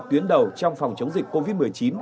tuyến đầu trong phòng chống dịch covid một mươi chín